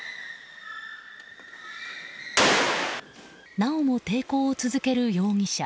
なおも抵抗を続ける容疑者。